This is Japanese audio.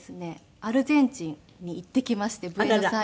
アルゼンチンに行ってきましてブエノスアイレス。